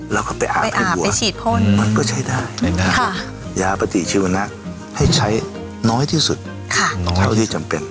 เราก็ไปอาบให้วัวมันก็ใช้ได้ยาปฏิชีวนักให้ใช้น้อยที่สุดเท่าที่จำเป็น